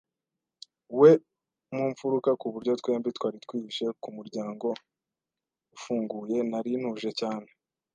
we mu mfuruka kuburyo twembi twari twihishe kumuryango ufunguye. Nari ntuje cyane